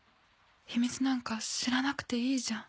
秘密なんか知らなくていいじゃん。